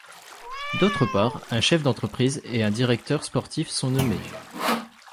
D'autre part, un chef d'entreprise et un directeur sportif sont nommés.